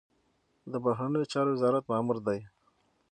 د بهرنیو چارو وزارت مامور دی.